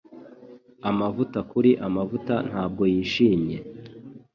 Amavuta kuri amavuta ntabwo yishimye